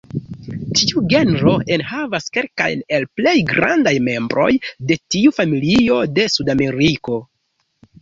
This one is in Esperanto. Tiu genro enhavas kelkajn el plej grandaj membroj de tiu familio de Sudameriko.